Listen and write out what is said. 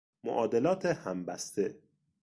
معادلات همبسته